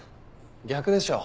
逆でしょ。